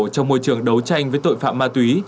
trong môi trường đấu tranh với tội phạm ma túy